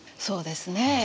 そうですね。